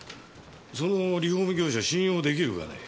そのリフォーム業者信用できるかね？